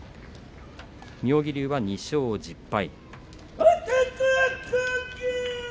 妙義龍は２勝１０敗。